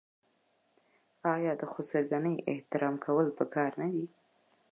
آیا د خسرګنۍ احترام کول پکار نه دي؟